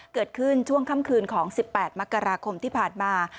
เกิดขึ้นช่วงค่ำคืนของ๑๘มกราคมที่ผ่านมา